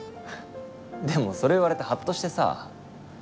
でもそれ言われてハッとしてさ。